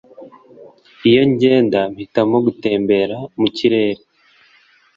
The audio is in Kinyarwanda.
Iyo ngenda mpitamo gutembera mu kirere